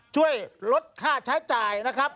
ช่วยลดค่าใช้จ่ายนะครับ